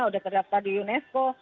udah terdaftar di unesco